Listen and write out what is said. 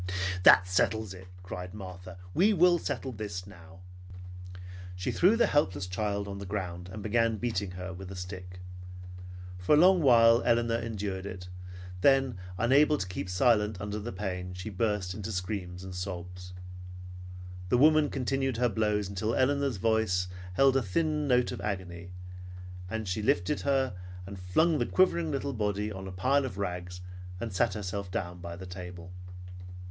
"That settles it!" cried Martha. "We will settle this now!" She threw the helpless child on the ground and began beating her with the stick. For a long while Elinor endured it, then unable to keep silent under the pain, she burst into screams and sobs. The woman continued her blows until Elinor's voice held a thin note of agony, and she lifted her and flung the quivering little body on a pile of rags, and sat herself down by the table.